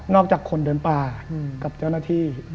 จากคนเดินป่ากับเจ้าหน้าที่